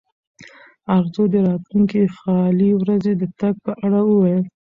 ارزو د راتلونکې خالي ورځې د تګ په اړه وویل.